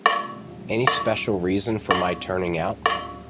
Any special reason for my turning out?